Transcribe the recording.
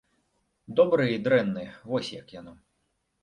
Добры і дрэнны, вось як яно.